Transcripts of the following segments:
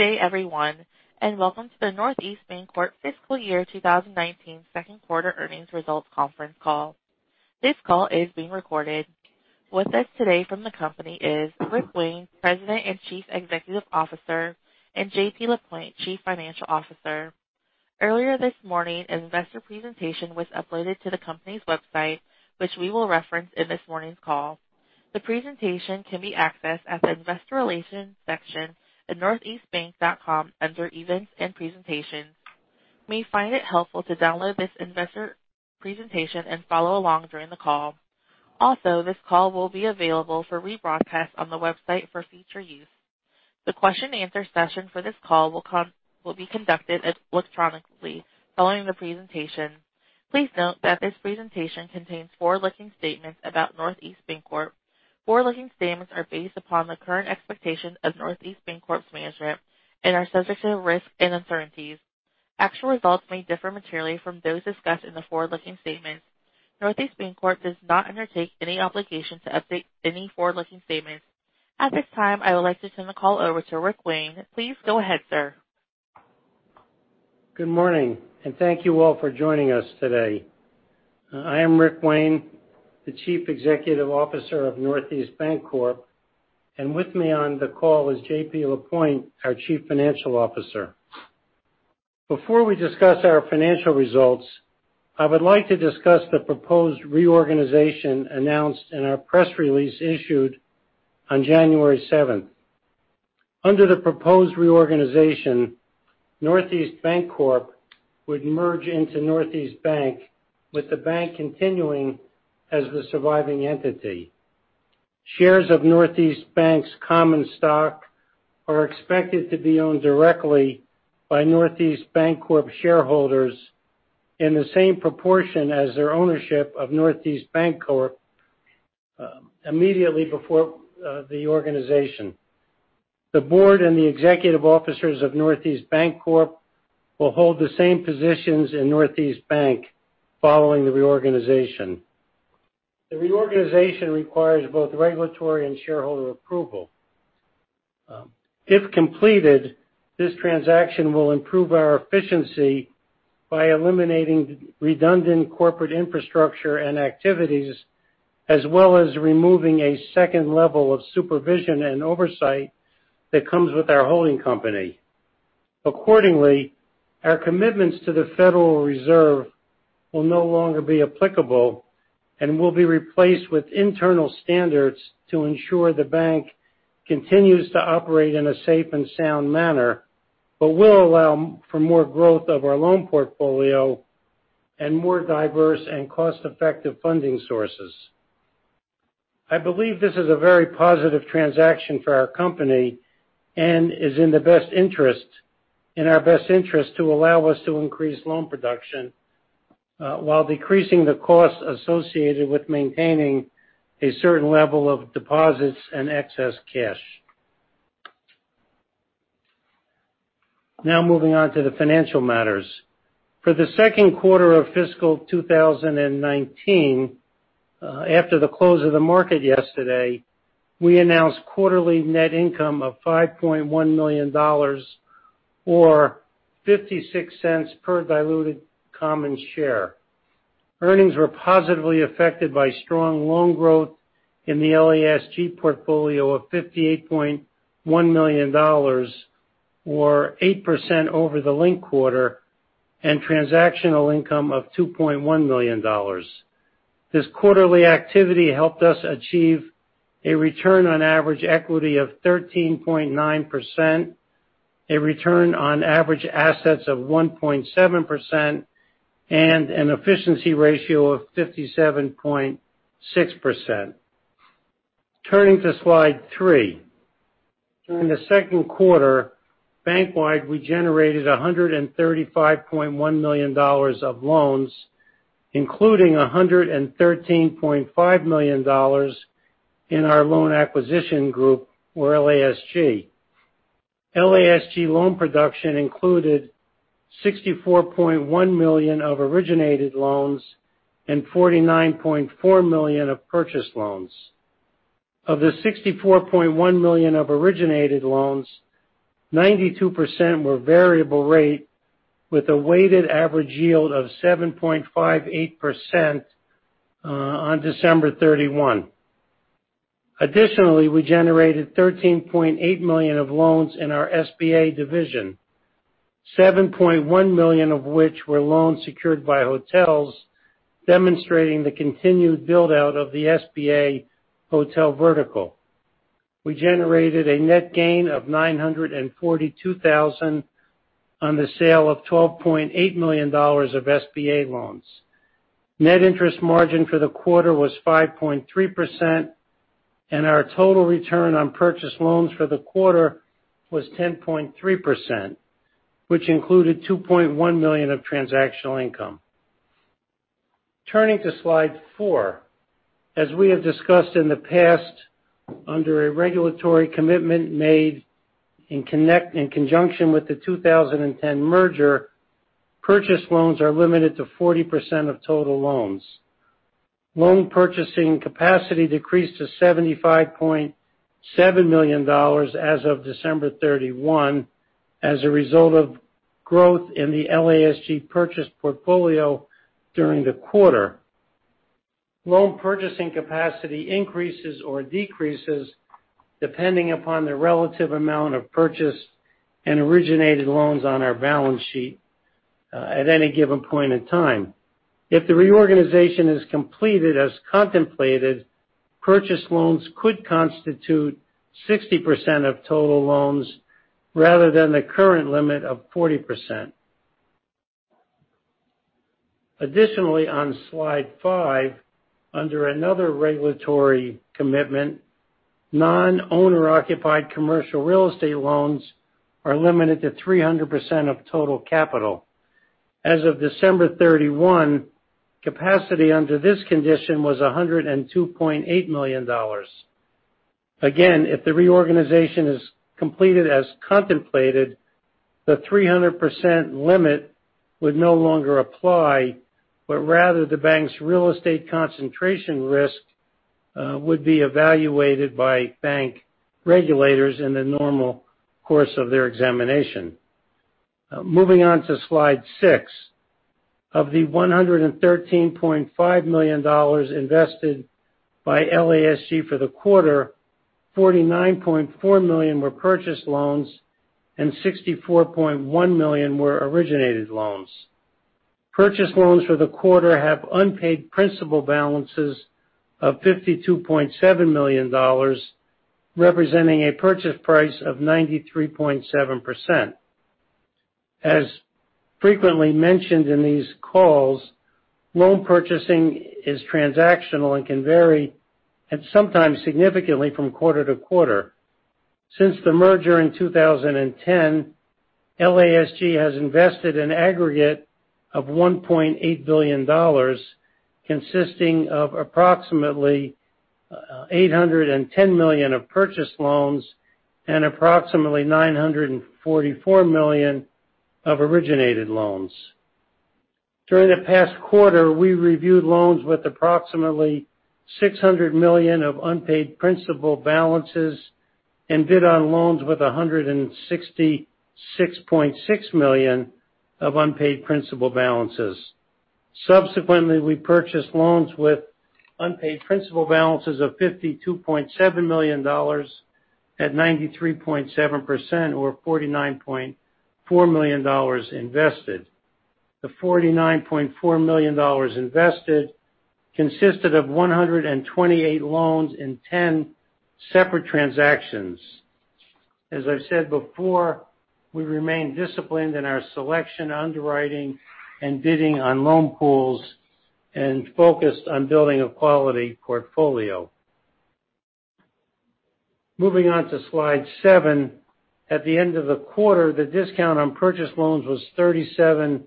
Good day everyone, welcome to the Northeast Bancorp Fiscal Year 2019 Second Quarter Earnings Results Conference Call. This call is being recorded. With us today from the company is Rick Wayne, President and Chief Executive Officer, and JP Lapointe, Chief Financial Officer. Earlier this morning, investor presentation was uploaded to the company's website, which we will reference in this morning's call. The presentation can be accessed at the investor relations section at northeastbank.com under events and presentations. You may find it helpful to download this investor presentation and follow along during the call. This call will be available for rebroadcast on the website for future use. The question and answer session for this call will be conducted electronically following the presentation. Please note that this presentation contains forward-looking statements about Northeast Bancorp. Forward-looking statements are based upon the current expectations of Northeast Bancorp's management and are subject to risks and uncertainties. Actual results may differ materially from those discussed in the forward-looking statements. Northeast Bancorp does not undertake any obligation to update any forward-looking statements. At this time, I would like to turn the call over to Rick Wayne. Please go ahead, sir. Good morning, thank you all for joining us today. I am Rick Wayne, the Chief Executive Officer of Northeast Bancorp, with me on the call is JP Lapointe, our Chief Financial Officer. Before we discuss our financial results, I would like to discuss the proposed reorganization announced in our press release issued on January 7th. Under the proposed reorganization, Northeast Bancorp would merge into Northeast Bank, with the bank continuing as the surviving entity. Shares of Northeast Bank's common stock are expected to be owned directly by Northeast Bancorp shareholders in the same proportion as their ownership of Northeast Bancorp immediately before the organization. The board and the executive officers of Northeast Bancorp will hold the same positions in Northeast Bank following the reorganization. The reorganization requires both regulatory and shareholder approval. If completed, this transaction will improve our efficiency by eliminating redundant corporate infrastructure and activities, as well as removing a second level of supervision and oversight that comes with our holding company. Accordingly, our commitments to the Federal Reserve will no longer be applicable will be replaced with internal standards to ensure the bank continues to operate in a safe and sound manner, will allow for more growth of our loan portfolio and more diverse and cost-effective funding sources. I believe this is a very positive transaction for our company and is in our best interest to allow us to increase loan production, while decreasing the cost associated with maintaining a certain level of deposits and excess cash. Moving on to the financial matters. For the second quarter of fiscal 2019, after the close of the market yesterday, we announced quarterly net income of $5.1 million, or $0.56 per diluted common share. Earnings were positively affected by strong loan growth in the LASG portfolio of $58.1 million, or 8% over the linked quarter, and transactional income of $2.1 million. This quarterly activity helped us achieve a return on average equity of 13.9%, a return on average assets of 1.7%, and an efficiency ratio of 57.6%. Turning to slide three. During the second quarter, bank-wide, we generated $135.1 million of loans, including $113.5 million in our loan acquisition group, or LASG. LASG loan production included $64.1 million of originated loans and $49.4 million of purchased loans. Of the $64.1 million of originated loans, 92% were variable rate with a weighted average yield of 7.58% on December 31. Additionally, we generated $13.8 million of loans in our SBA division, $7.1 million of which were loans secured by hotels, demonstrating the continued build-out of the SBA hotel vertical. We generated a net gain of $942,000 on the sale of $12.8 million of SBA loans. Net interest margin for the quarter was 5.3%, and our total return on purchased loans for the quarter was 10.3%, which included $2.1 million of transactional income. Turning to slide four. As we have discussed in the past, under a regulatory commitment made in conjunction with the 2010 merger, purchase loans are limited to 40% of total loans. Loan purchasing capacity decreased to $75.7 million as of December 31 as a result of growth in the LASG purchase portfolio during the quarter. Loan purchasing capacity increases or decreases depending upon the relative amount of purchase and originated loans on our balance sheet, at any given point in time. If the reorganization is completed as contemplated, purchase loans could constitute 60% of total loans rather than the current limit of 40%. On slide five, under another regulatory commitment, non-owner occupied commercial real estate loans are limited to 300% of total capital. As of December 31, capacity under this condition was $102.8 million. If the reorganization is completed as contemplated, the 300% limit would no longer apply, but rather the bank's real estate concentration risk would be evaluated by bank regulators in the normal course of their examination. Moving on to slide six. Of the $113.5 million invested by LASG for the quarter, $49.4 million were purchase loans and $64.1 million were originated loans. Purchase loans for the quarter have unpaid principal balances of $52.7 million, representing a purchase price of 93.7%. As frequently mentioned in these calls, loan purchasing is transactional and can vary, and sometimes significantly, from quarter-to-quarter. Since the merger in 2010, LASG has invested an aggregate of $1.8 billion, consisting of approximately $810 million of purchased loans and approximately $944 million of originated loans. During the past quarter, we reviewed loans with approximately $600 million of unpaid principal balances and bid on loans with $166.6 million of unpaid principal balances. We purchased loans with unpaid principal balances of $52.7 million at 93.7%, or $49.4 million invested. The $49.4 million invested consisted of 128 loans in 10 separate transactions. As I've said before, we remain disciplined in our selection, underwriting, and bidding on loan pools, and focused on building a quality portfolio. Moving on to slide seven. At the end of the quarter, the discount on purchase loans was $37.7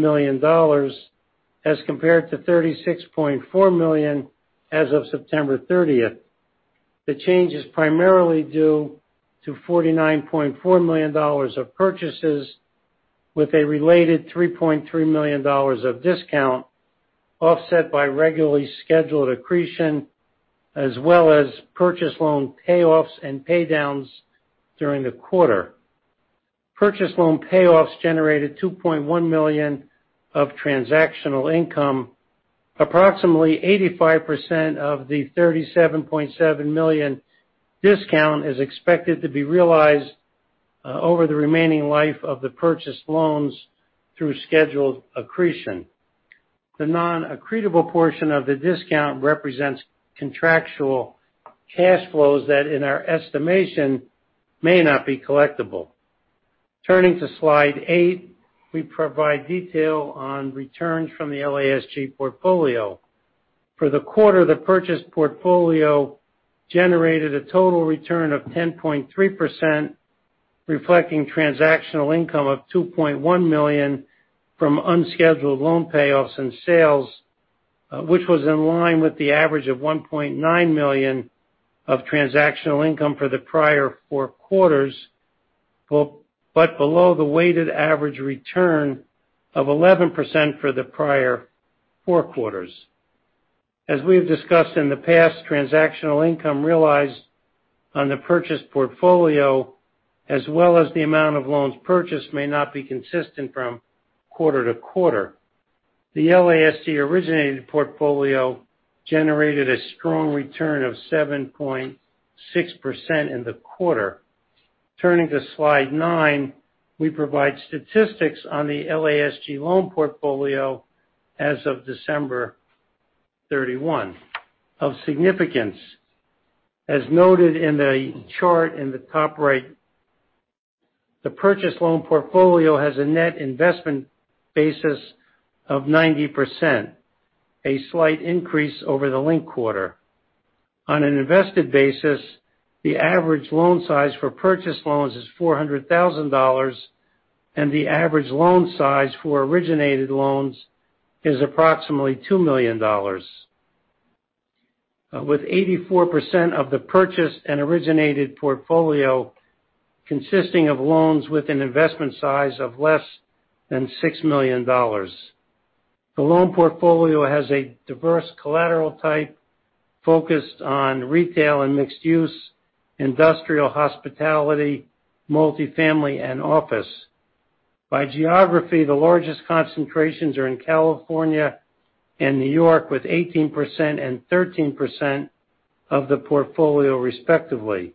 million as compared to $36.4 million as of September 30th. The change is primarily due to $49.4 million of purchases with a related $3.3 million of discount, offset by regularly scheduled accretion, as well as purchase loan payoffs and paydowns during the quarter. Purchase loan payoffs generated $2.1 million of transactional income. Approximately 85% of the $37.7 million discount is expected to be realized over the remaining life of the purchased loans through scheduled accretion. The non-accretable portion of the discount represents contractual cash flows that, in our estimation, may not be collectible. Turning to slide eight, we provide detail on returns from the LASG portfolio. For the quarter, the purchase portfolio generated a total return of 10.3%, reflecting transactional income of $2.1 million from unscheduled loan payoffs and sales, which was in line with the average of $1.9 million of transactional income for the prior four quarters, but below the weighted average return of 11% for the prior four quarters. As we have discussed in the past, transactional income realized on the purchase portfolio as well as the amount of loans purchased may not be consistent from quarter to quarter. The LASG originated portfolio generated a strong return of 7.6% in the quarter. Turning to slide nine, we provide statistics on the LASG loan portfolio as of December 31. Of significance, as noted in the chart in the top right, the purchase loan portfolio has a net investment basis of 90%, a slight increase over the linked quarter. On an invested basis, the average loan size for purchase loans is $400,000, and the average loan size for originated loans is approximately $2 million, with 84% of the purchase and originated portfolio consisting of loans with an investment size of less than $6 million. The loan portfolio has a diverse collateral type focused on retail and mixed use, industrial hospitality, multifamily, and office. By geography, the largest concentrations are in California and N.Y., with 18% and 13% of the portfolio respectively.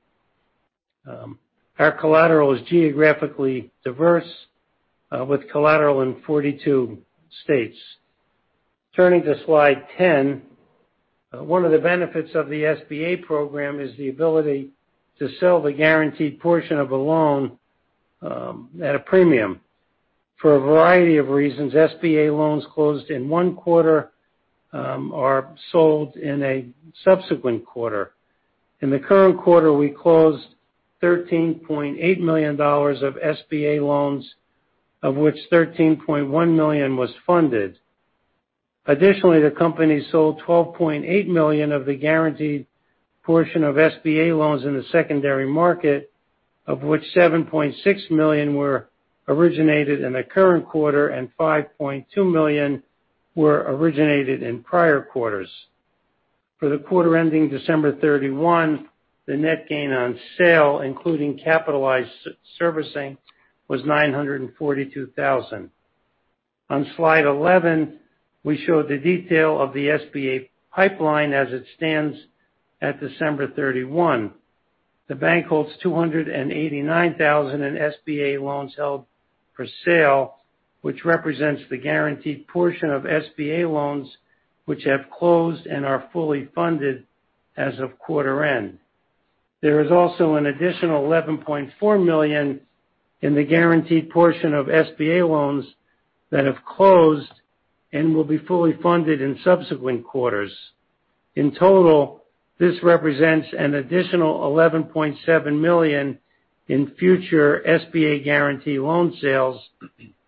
Our collateral is geographically diverse with collateral in 42 states. Turning to slide 10. One of the benefits of the SBA program is the ability to sell the guaranteed portion of a loan at a premium. For a variety of reasons, SBA loans closed in one quarter are sold in a subsequent quarter. In the current quarter, we closed $13.8 million of SBA loans, of which $13.1 million was funded. Additionally, the company sold $12.8 million of the guaranteed portion of SBA loans in the secondary market, of which $7.6 million were originated in the current quarter and $5.2 million were originated in prior quarters. For the quarter ending December 31, the net gain on sale, including capitalized servicing, was $942,000. On slide 11, we show the detail of the SBA pipeline as it stands at December 31. The bank holds $289,000 in SBA loans held for sale, which represents the guaranteed portion of SBA loans which have closed and are fully funded as of quarter end. There is also an additional $11.4 million in the guaranteed portion of SBA loans that have closed and will be fully funded in subsequent quarters. In total, this represents an additional $11.7 million in future SBA guarantee loan sales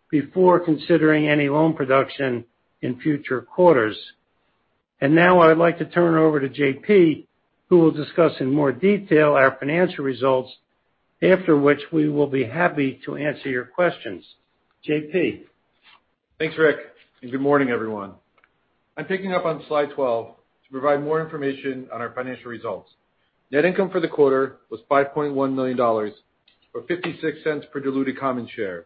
before considering any loan production in future quarters. Now I'd like to turn it over to JP, who will discuss in more detail our financial results, after which we will be happy to answer your questions. JP. Thanks, Rick, and good morning, everyone. I'm picking up on slide 12 to provide more information on our financial results. Net income for the quarter was $5.1 million, or $0.56 per diluted common share.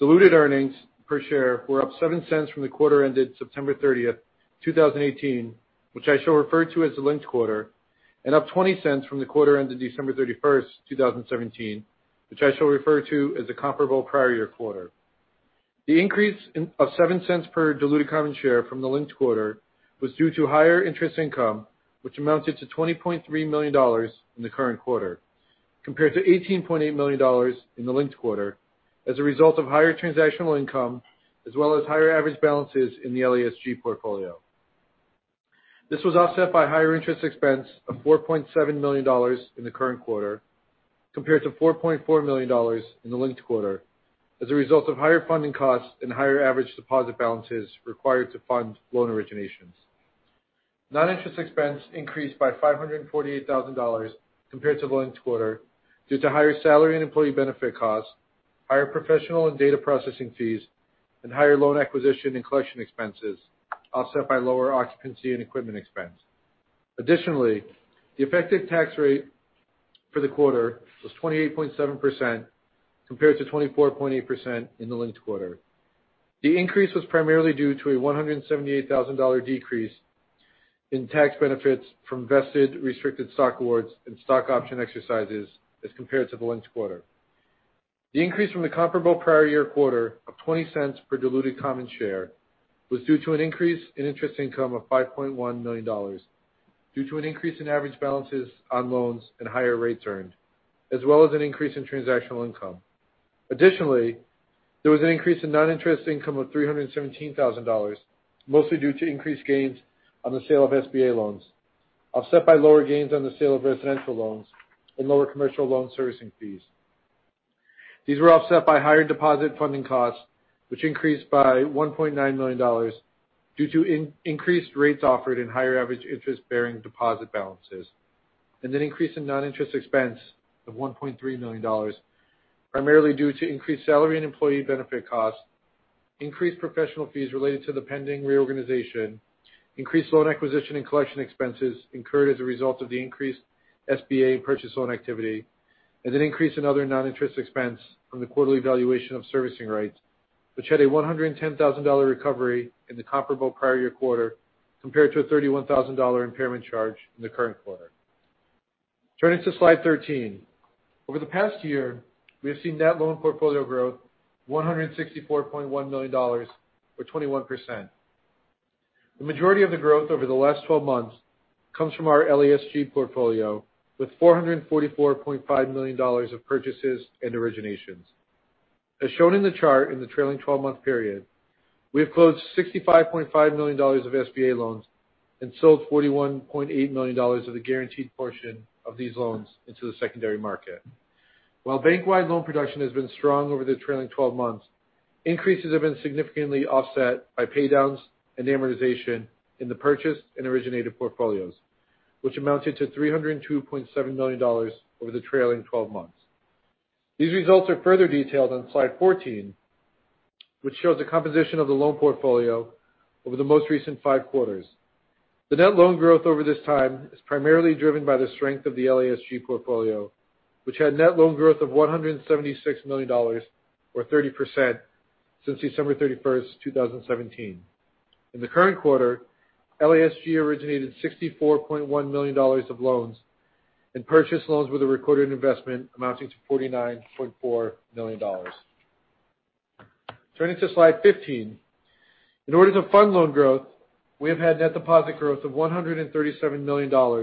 Diluted earnings per share were up $0.07 from the quarter ended September 30th, 2018, which I shall refer to as the linked quarter, and up $0.20 from the quarter ended December 31st, 2017, which I shall refer to as the comparable prior year quarter. The increase of $0.07 per diluted common share from the linked quarter was due to higher interest income, which amounted to $20.3 million in the current quarter, compared to $18.8 million in the linked quarter as a result of higher transactional income, as well as higher average balances in the LASG portfolio. This was offset by higher interest expense of $4.7 million in the current quarter, compared to $4.4 million in the linked quarter as a result of higher funding costs and higher average deposit balances required to fund loan originations. Non-interest expense increased by $548,000 compared to the linked quarter due to higher salary and employee benefit costs, higher professional and data processing fees, and higher loan acquisition and collection expenses offset by lower occupancy and equipment expense. Additionally, the effective tax rate for the quarter was 28.7% compared to 24.8% in the linked quarter. The increase was primarily due to a $178,000 decrease in tax benefits from vested restricted stock awards and stock option exercises as compared to the linked quarter. The increase from the comparable prior year quarter of $0.20 per diluted common share was due to an increase in interest income of $5.1 million due to an increase in average balances on loans and higher rates earned, as well as an increase in transactional income. Additionally, there was an increase in non-interest income of $317,000, mostly due to increased gains on the sale of SBA loans, offset by lower gains on the sale of residential loans and lower commercial loan servicing fees. These were offset by higher deposit funding costs, which increased by $1.9 million due to increased rates offered and higher average interest-bearing deposit balances, and an increase in non-interest expense of $1.3 million, primarily due to increased salary and employee benefit costs, increased professional fees related to the pending reorganization, increased loan acquisition and collection expenses incurred as a result of the increased SBA purchase loan activity, and an increase in other non-interest expense from the quarterly valuation of servicing rights, which had a $110,000 recovery in the comparable prior year quarter compared to a $31,000 impairment charge in the current quarter. Turning to slide 13. Over the past year, we have seen net loan portfolio growth $164.1 million, or 21%. The majority of the growth over the last 12 months comes from our LASG portfolio, with $444.5 million of purchases and originations. As shown in the chart in the trailing 12-month period, we have closed $65.5 million of SBA loans and sold $41.8 million of the guaranteed portion of these loans into the secondary market. While bank-wide loan production has been strong over the trailing 12 months, increases have been significantly offset by pay-downs and amortization in the purchase and originated portfolios, which amounted to $302.7 million over the trailing 12 months. These results are further detailed on slide 14, which shows the composition of the loan portfolio over the most recent five quarters. The net loan growth over this time is primarily driven by the strength of the LASG portfolio, which had net loan growth of $176 million, or 30%, since December 31st, 2017. In the current quarter, LASG originated $64.1 million of loans and purchased loans with a recorded investment amounting to $49.4 million. Turning to slide 15, in order to fund loan growth, we have had net deposit growth of $137 million, or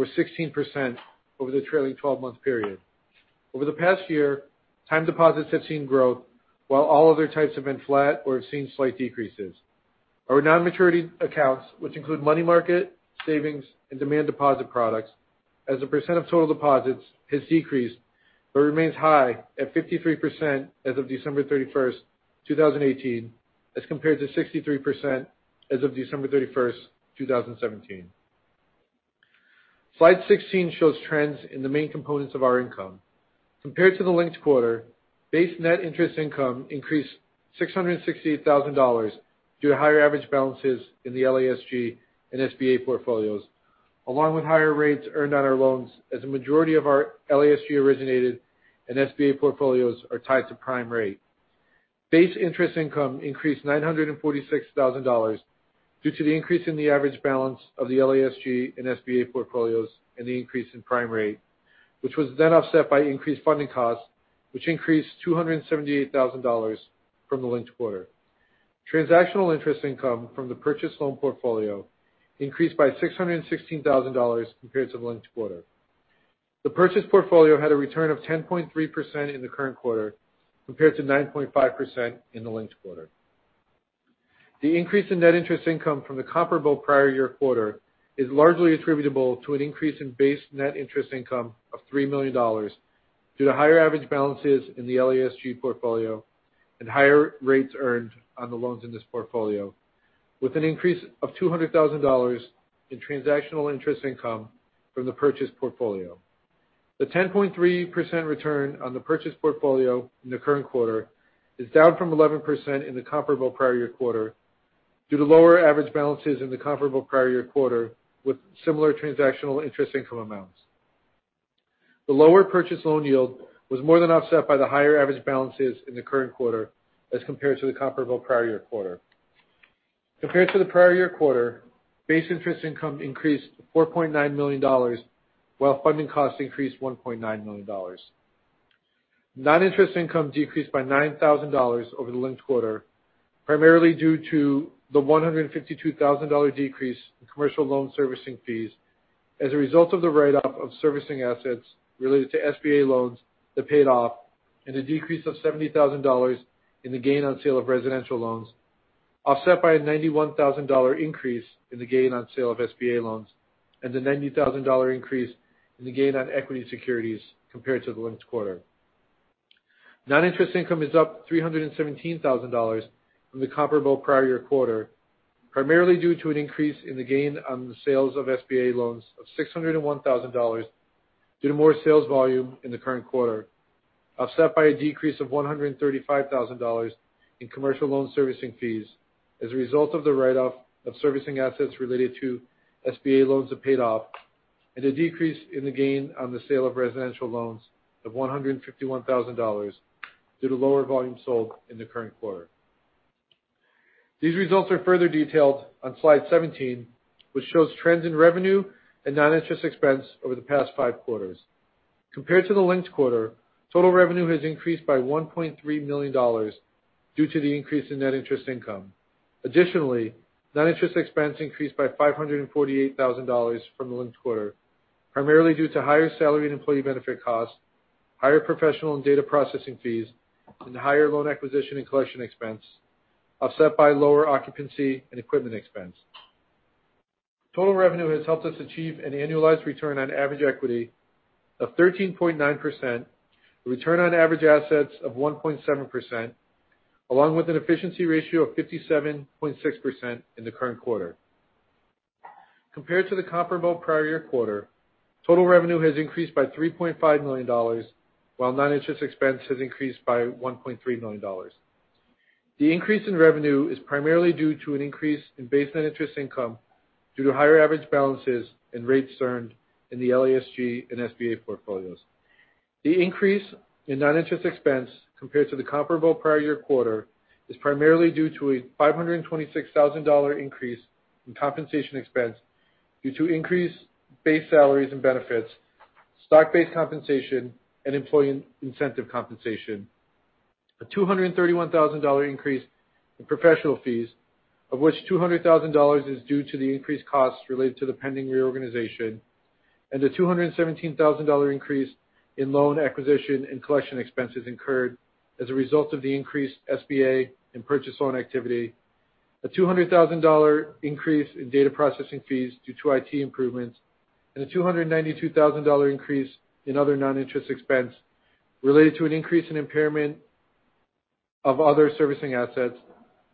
16%, over the trailing 12-month period. Over the past year, time deposits have seen growth while all other types have been flat or have seen slight decreases. Our non-maturity accounts, which include money market, savings, and demand deposit products, as a percent of total deposits, has decreased but remains high at 53% as of December 31st, 2018, as compared to 63% as of December 31st, 2017. Slide 16 shows trends in the main components of our income. Compared to the linked quarter, base net interest income increased $668,000 due to higher average balances in the LASG and SBA portfolios, along with higher rates earned on our loans, as a majority of our LASG-originated and SBA portfolios are tied to prime rate. Base interest income increased $946,000 due to the increase in the average balance of the LASG and SBA portfolios and the increase in prime rate, which was then offset by increased funding costs, which increased $278,000 from the linked quarter. Transactional interest income from the purchased loan portfolio increased by $616,000 compared to the linked quarter. The purchased portfolio had a return of 10.3% in the current quarter compared to 9.5% in the linked quarter. The increase in net interest income from the comparable prior year quarter is largely attributable to an increase in base net interest income of $3 million due to higher average balances in the LASG portfolio and higher rates earned on the loans in this portfolio, with an increase of $200,000 in transactional interest income from the purchased portfolio. The 10.3% return on the purchased portfolio in the current quarter is down from 11% in the comparable prior year quarter due to lower average balances in the comparable prior year quarter with similar transactional interest income amounts. The lower purchase loan yield was more than offset by the higher average balances in the current quarter as compared to the comparable prior year quarter. Compared to the prior year quarter, base interest income increased to $4.9 million, while funding costs increased $1.9 million. Non-interest income decreased by $9,000 over the linked quarter, primarily due to the $152,000 decrease in commercial loan servicing fees as a result of the write-off of servicing assets related to SBA loans that paid off and a decrease of $70,000 in the gain on sale of residential loans, offset by a $91,000 increase in the gain on sale of SBA loans and a $90,000 increase in the gain on equity securities compared to the linked quarter. Non-interest income is up $317,000 from the comparable prior year quarter, primarily due to an increase in the gain on the sales of SBA loans of $601,000 due to more sales volume in the current quarter, offset by a decrease of $135,000 in commercial loan servicing fees as a result of the write-off of servicing assets related to SBA loans that paid off, and a decrease in the gain on the sale of residential loans of $151,000 due to lower volume sold in the current quarter. These results are further detailed on slide 17, which shows trends in revenue and non-interest expense over the past five quarters. Compared to the linked quarter, total revenue has increased by $1.3 million due to the increase in net interest income. Non-interest expense increased by $548,000 from the linked quarter, primarily due to higher salary and employee benefit costs, higher professional and data processing fees, and higher loan acquisition and collection expense, offset by lower occupancy and equipment expense. Total revenue has helped us achieve an annualized return on average equity of 13.9%, a return on average assets of 1.7%, along with an efficiency ratio of 57.6% in the current quarter. Compared to the comparable prior year quarter, total revenue has increased by $3.5 million, while non-interest expense has increased by $1.3 million. The increase in revenue is primarily due to an increase in base net interest income due to higher average balances and rates earned in the LASG and SBA portfolios. The increase in non-interest expense compared to the comparable prior year quarter is primarily due to a $526,000 increase in compensation expense due to increased base salaries and benefits, stock-based compensation, and employee incentive compensation. A $231,000 increase in professional fees, of which $200,000 is due to the increased costs related to the pending reorganization, and a $217,000 increase in loan acquisition and collection expenses incurred as a result of the increased SBA and purchase loan activity. A $200,000 increase in data processing fees due to IT improvements, and a $292,000 increase in other non-interest expense related to an increase in impairment of other servicing assets,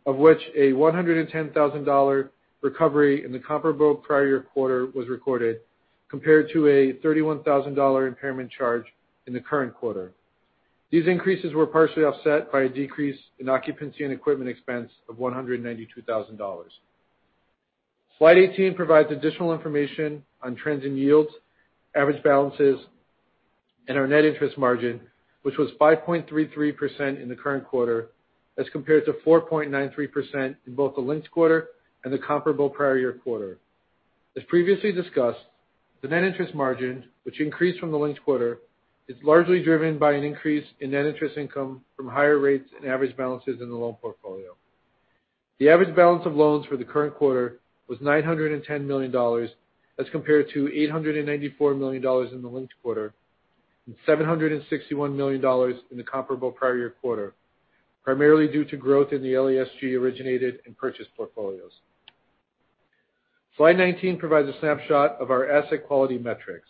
of which a $110,000 recovery in the comparable prior year quarter was recorded, compared to a $31,000 impairment charge in the current quarter. These increases were partially offset by a decrease in occupancy and equipment expense of $192,000. Slide 18 provides additional information on trends in yields, average balances, and our net interest margin, which was 5.33% in the current quarter as compared to 4.93% in both the linked quarter and the comparable prior year quarter. As previously discussed, the net interest margin, which increased from the linked quarter, is largely driven by an increase in net interest income from higher rates and average balances in the loan portfolio. The average balance of loans for the current quarter was $910 million, as compared to $894 million in the linked quarter, and $761 million in the comparable prior year quarter, primarily due to growth in the LASG-originated and purchased portfolios. Slide 19 provides a snapshot of our asset quality metrics.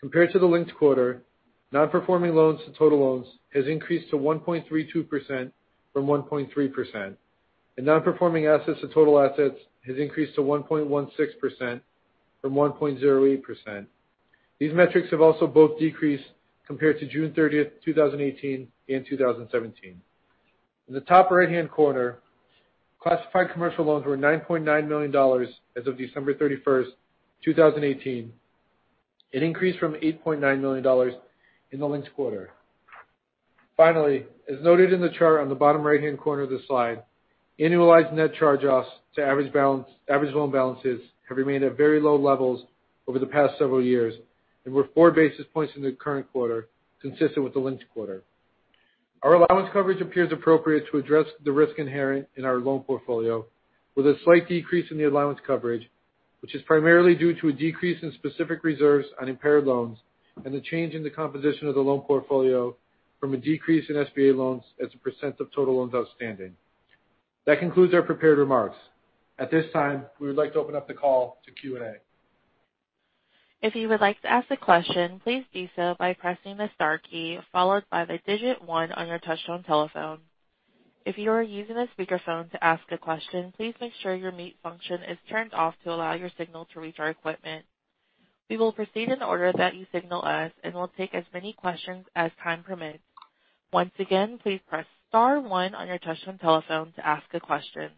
Compared to the linked quarter, non-performing loans to total loans has increased to 1.32% from 1.3%, and non-performing assets to total assets has increased to 1.16% from 1.08%. These metrics have also both decreased compared to June 30th, 2018 and 2017. In the top right-hand corner, classified commercial loans were $9.9 million as of December 31st, 2018. It increased from $8.9 million in the linked quarter. Finally, as noted in the chart on the bottom right-hand corner of the slide, annualized net charge-offs to average loan balances have remained at very low levels over the past several years and were four basis points in the current quarter, consistent with the linked quarter. Our allowance coverage appears appropriate to address the risk inherent in our loan portfolio, with a slight decrease in the allowance coverage, which is primarily due to a decrease in specific reserves on impaired loans and a change in the composition of the loan portfolio from a decrease in SBA loans as a % of total loans outstanding. That concludes our prepared remarks. At this time, we would like to open up the call to Q&A. If you would like to ask a question, please do so by pressing the star key, followed by the digit one on your touchtone telephone. If you are using a speakerphone to ask a question, please make sure your mute function is turned off to allow your signal to reach our equipment. We will proceed in the order that you signal us, and we'll take as many questions as time permits. Once again, please press star one on your touchtone telephone to ask a question.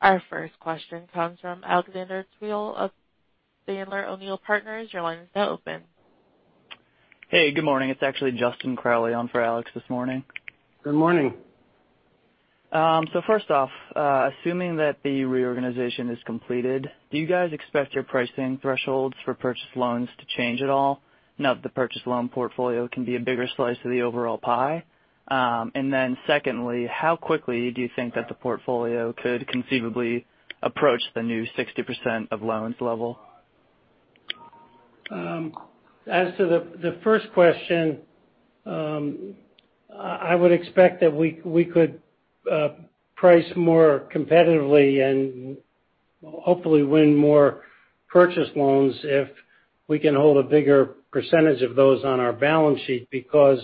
Our first question comes from [inaudible] of Sandler O'Neill + Partners. Your line is now open. Hey, good morning. It's actually Justin Crowley on for Alex this morning. Good morning. First off, assuming that the reorganization is completed, do you guys expect your pricing thresholds for purchased loans to change at all now that the purchased loan portfolio can be a bigger slice of the overall pie? Secondly, how quickly do you think that the portfolio could conceivably approach the new 60% of loans level? As to the first question, I would expect that we could price more competitively and hopefully win more purchased loans if we can hold a bigger percentage of those on our balance sheet, because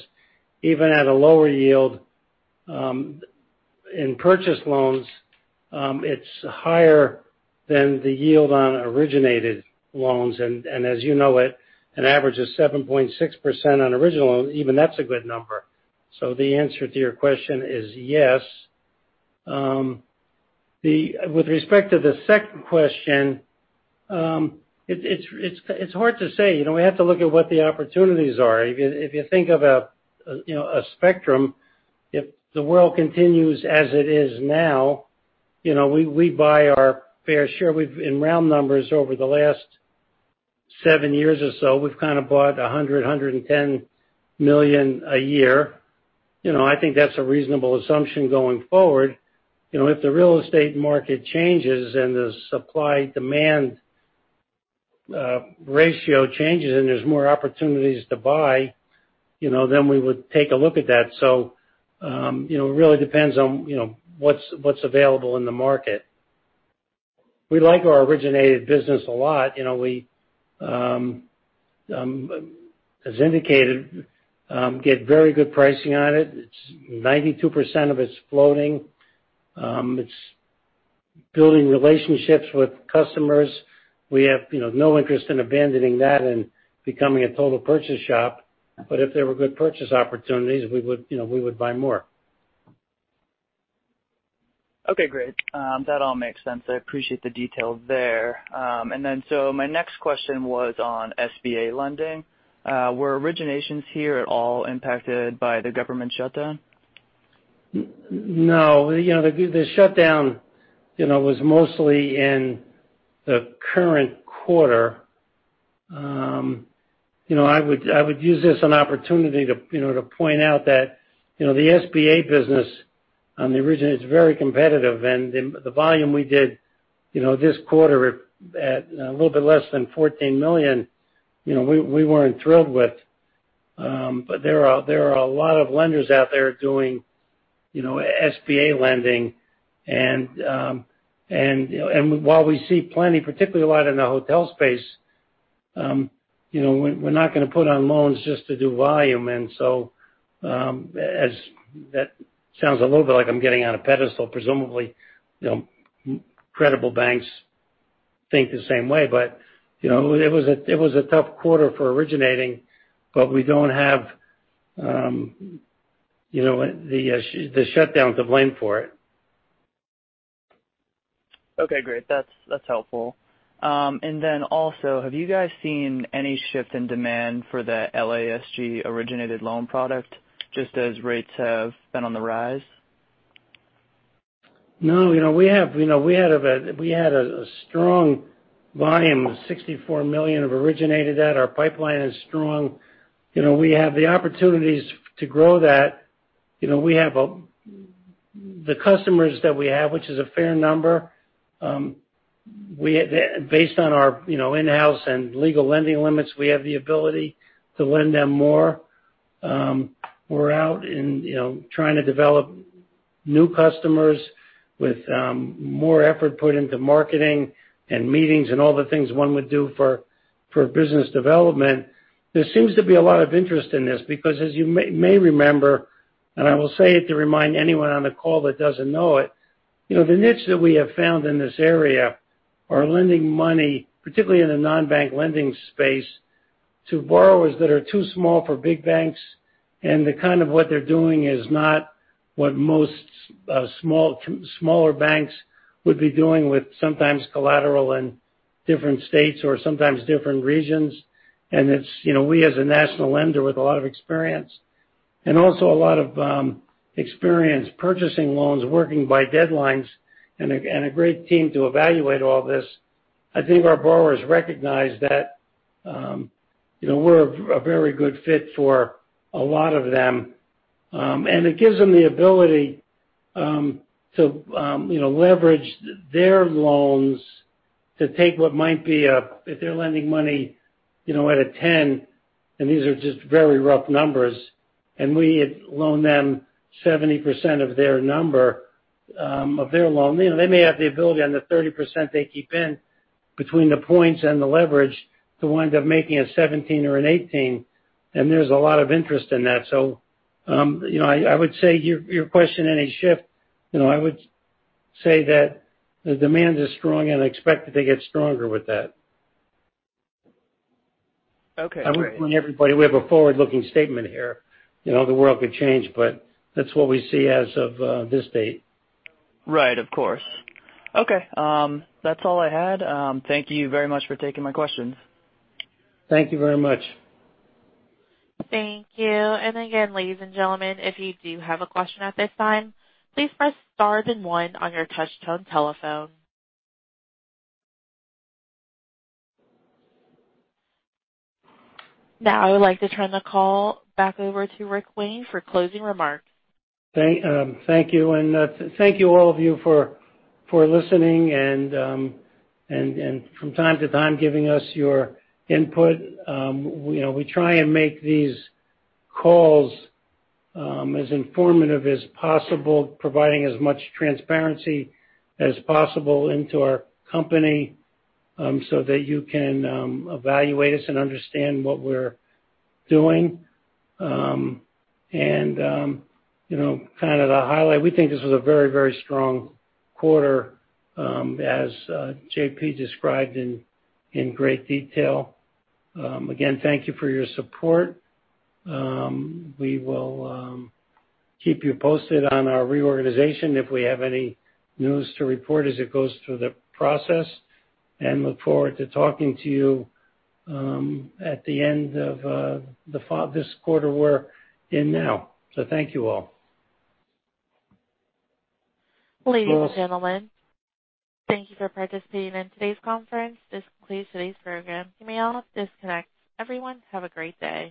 even at a lower yield in purchased loans, it's higher than the yield on originated loans. As you know it, an average of 7.6% on original, even that's a good number. The answer to your question is yes. With respect to the second question, it's hard to say. We have to look at what the opportunities are. If you think of a spectrum, if the world continues as it is now, we buy our fair share. In round numbers, over the last seven years or so, we've kind of bought $100 million, $110 million a year. I think that's a reasonable assumption going forward. If the real estate market changes and the supply-demand ratio changes and there's more opportunities to buy, then we would take a look at that. It really depends on what's available in the market. We like our originated business a lot. As indicated, get very good pricing on it. 92% of it's floating. It's building relationships with customers. We have no interest in abandoning that and becoming a total purchase shop. If there were good purchase opportunities, we would buy more. Okay, great. That all makes sense. I appreciate the detail there. My next question was on SBA lending. Were originations here at all impacted by the government shutdown? No. The shutdown was mostly in the current quarter. I would use this as an opportunity to point out that the SBA business on the origin is very competitive, and the volume we did this quarter at a little bit less than $14 million, we weren't thrilled with. There are a lot of lenders out there doing SBA lending. While we see plenty, particularly a lot in the hotel space, we're not going to put on loans just to do volume. That sounds a little bit like I'm getting on a pedestal, presumably, credible banks think the same way. It was a tough quarter for originating, but we don't have the shutdown to blame for it. Okay, great. That's helpful. Also, have you guys seen any shift in demand for the LASG-originated loan product, just as rates have been on the rise? No. We had a strong volume of $64 million of originated that. Our pipeline is strong. We have the opportunities to grow that. The customers that we have, which is a fair number, based on our in-house and legal lending limits, we have the ability to lend them more. We're out and trying to develop new customers with more effort put into marketing and meetings and all the things one would do for business development. There seems to be a lot of interest in this because as you may remember, I will say it to remind anyone on the call that doesn't know it, the niche that we have found in this area are lending money, particularly in the non-bank lending space, to borrowers that are too small for big banks. The kind of what they're doing is not what most smaller banks would be doing with sometimes collateral in different states or sometimes different regions. We as a national lender with a lot of experience, also a lot of experience purchasing loans, working by deadlines, and a great team to evaluate all this, I think our borrowers recognize that we're a very good fit for a lot of them. It gives them the ability to leverage their loans to take what might be a, if they're lending money at a 10, and these are just very rough numbers, and we loan them 70% of their number of their loan, they may have the ability on the 30% they keep in between the points and the leverage to wind up making a 17 or an 18. There's a lot of interest in that. I would say your question, any shift, I would say that the demand is strong, and I expect it to get stronger with that. Okay, great. I would warn everybody, we have a forward-looking statement here. The world could change, but that's what we see as of this date. Right, of course. Okay. That's all I had. Thank you very much for taking my questions. Thank you very much. Thank you. Again, ladies and gentlemen, if you do have a question at this time, please press star then one on your touch tone telephone. Now I would like to turn the call back over to Rick Wayne for closing remarks. Thank you, and thank you, all of you, for listening and from time to time, giving us your input. We try and make these calls as informative as possible, providing as much transparency as possible into our company, so that you can evaluate us and understand what we're doing. Kind of to highlight, we think this was a very strong quarter, as JP described in great detail. Again, thank you for your support. We will keep you posted on our reorganization if we have any news to report as it goes through the process, and look forward to talking to you at the end of this quarter we're in now. Thank you all. Ladies and gentlemen, thank you for participating in today's conference. This concludes today's program. You may all disconnect. Everyone, have a great day.